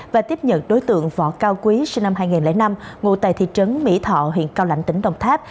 và tiếp nhận đối tượng võ cao quý sinh năm hai nghìn năm ngụ tại thị trấn mỹ thọ huyện cao lãnh tỉnh đồng tháp